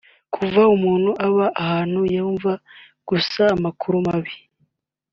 Kumva umuntu uba ahantu yumva gusa amakuru mabi